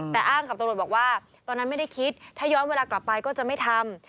แต่อ้างกับตำรวจบอกว่าตอนนั้นไม่ได้คิดถ้าย้อนเวลากลับไปก็จะไม่ทำ